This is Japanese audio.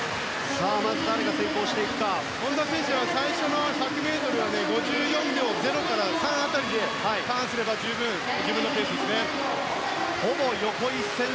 本多選手は最初の１００ｍは５４秒０から３辺りでターンすれば十分、自分のペースですね。